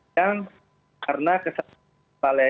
yang karena kesalahan